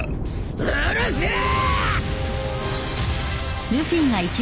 うるせえ！